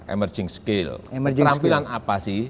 emerging skill keterampilan apa sih